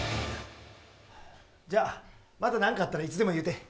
じゃあ、また何かあったらいつでも言って。